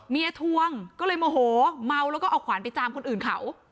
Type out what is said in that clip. ทวงก็เลยโมโหเมาแล้วก็เอาขวานไปจามคนอื่นเขา